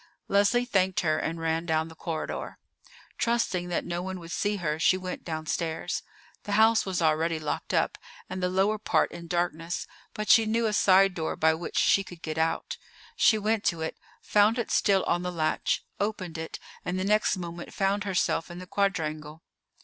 Leslie thanked her and ran down the corridor. Trusting that no one would see her, she went downstairs. The house was already locked up, and the lower part in darkness, but she knew a side door by which she could get out. She went to it, found it still on the latch, opened it, and the next moment found herself in the quadrangle.